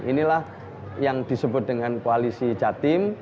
inilah yang disebut dengan koalisi jatim